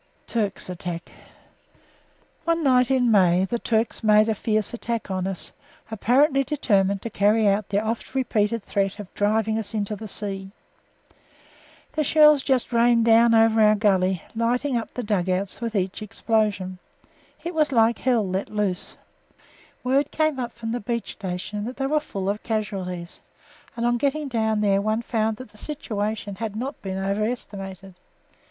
TURKS ATTACK One night in May the Turks made a fierce attack on us, apparently determined to carry out their oft repeated threat of driving us into the sea. The shells just rained down over our gully, lighting up the dug outs with each explosion. It was like Hell let loose. Word came up from the beach station that they were full of casualties and on getting down there one found that the situation had not been over estimated.